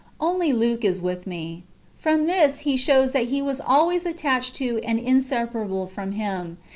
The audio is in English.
Only Luke is with me."* From this he shows that he was always attached to and inseparable from him.